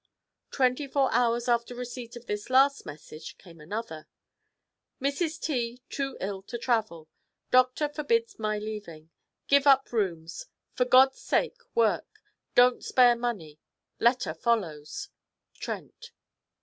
Twenty four hours after receipt of this last message came another: 'Mrs. T. too ill to travel. Doctor forbids my leaving. Give up rooms. For God's sake work. Don't spare money. Letter follows. 'TRENT.'